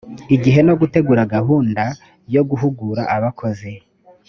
igihe no gutegura gahunda yo guhugura abakozi